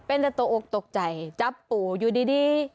เป็นแต่ตกอกตกใจจับปู่อยู่ดี